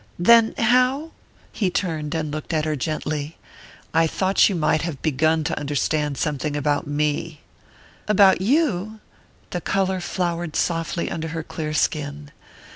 "Then how " He turned and looked at her gently. "I thought you might have begun to understand something about me." "About you?" The colour flowered softly under her clear skin.